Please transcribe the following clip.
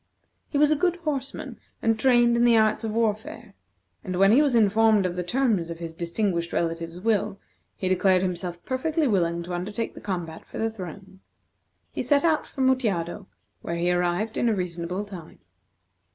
He was a good horseman, and trained in the arts of warfare, and when he was informed of the terms of his distinguished relative's will, he declared himself perfectly willing to undertake the combat for the throne. He set out for Mutjado, where he arrived in a reasonable time.